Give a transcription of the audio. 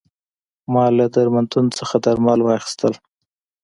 ما له درملتون څخه درمل واخیستل.